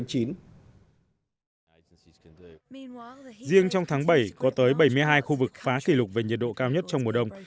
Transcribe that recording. riêng trong tháng bảy có tới bảy mươi hai khu vực phá kỷ lục về nhiệt độ cao nhất trong mùa đông